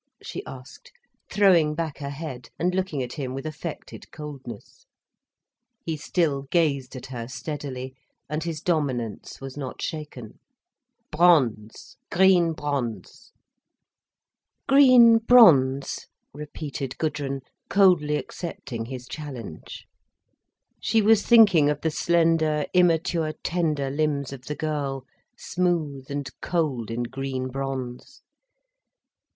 she asked, throwing back her head and looking at him with affected coldness. He still gazed at her steadily, and his dominance was not shaken. "Bronze—green bronze." "Green bronze!" repeated Gudrun, coldly accepting his challenge. She was thinking of the slender, immature, tender limbs of the girl, smooth and cold in green bronze.